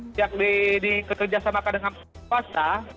pihak dikerjasamakan dengan swasta